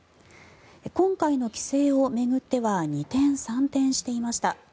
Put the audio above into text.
今回の規制を巡っては二転三転していました。